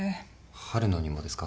春野にもですか？